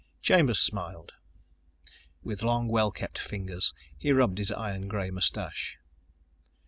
Chambers smiled. With long, well kept fingers, he rubbed his iron gray mustache.